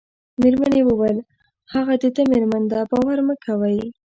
مېرمنې یې وویل: هغه د ده مېرمن ده، باور مه کوئ.